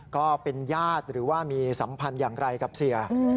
ก็เป็นญาติหรือว่ามีสัมพันธ์อย่างไรกับเสีย